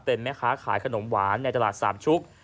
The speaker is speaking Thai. เป็นแม่ค้าขายขนมหวานในตลาดสามชุก